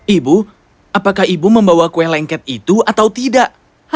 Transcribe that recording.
ibu apakah ibu membawa kue lengket itu atau tidak